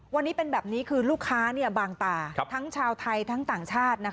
วันนี้เป็นแบบนี้คือลูกค้าบางตาทั้งชาวไทยทั้งต่างชาติ